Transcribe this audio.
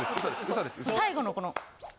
最後のこの。